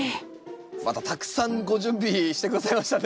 またたくさんご準備して下さいましたね。